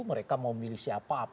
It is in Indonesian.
mereka mau milih siapa